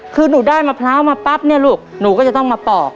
คือหนูได้มะพร้าวมาปั๊บเนี่ยลูกหนูก็จะต้องมาปอก